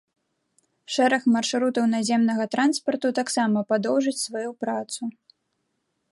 Шэраг маршрутаў наземнага транспарту таксама падоўжыць сваю працу.